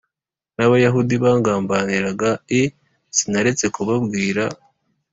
n Abayahudi bangambaniraga i Sinaretse kubabwira